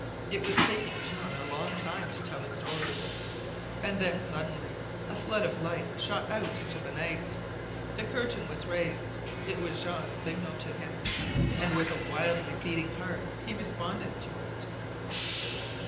It was taking Jean a long time to tell the story! And then, suddenly, a flood of light shot out into the night. The curtain was raised! It was Jean's signal to him, and with a wildly beating heart he responded to it.